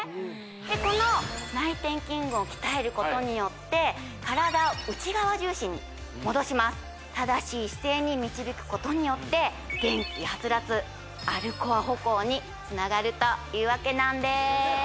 この内転筋群を鍛えることによって体を内側重心に戻します正しい姿勢に導くことによってにつながるというわけなんです